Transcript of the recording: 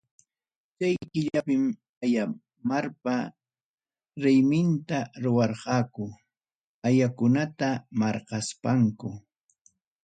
Chay killapim Ayamarpa rayminta ruwarqaku, ayakunata marqaspanku.